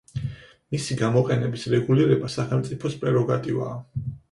მისი გამოყენების რეგულირება სახელმწიფოს პრეროგატივაა.